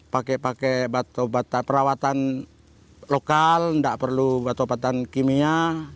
pakai pakai perawatan lokal gak perlu batu batu kimia